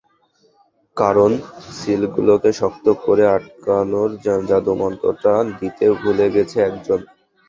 কারণ, সিলগুলোকে শক্ত করে আটকানোর জাদুমন্ত্রটা দিতে ভুলে গেছে একজন।